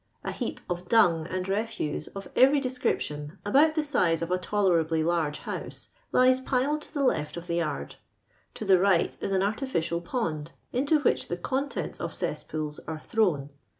A heap of dung and ref\ise of every description, about the size of a tolerably large house, lies piled to the left of the yard ; to the right is an artificial pond, into which the contents of cesspools are thrown.